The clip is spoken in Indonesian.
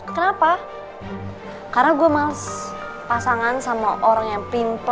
gue gak jadi ngundurin diri